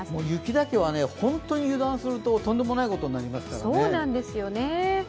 雪だけは本当に油断するととんでもないことになりますからね。